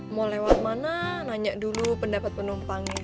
mau lewat mana nanya dulu pendapat penumpangnya